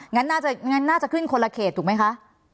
งั้นน่าจะขึ้นคนละเขตถูกไหมคะ